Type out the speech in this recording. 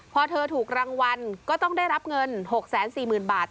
พอเธอถูกรางวัลก็ต้องได้รับเงิน๖๔๐๐๐บาท